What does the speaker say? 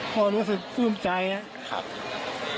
พอรู้สึกปลื้มใจอะ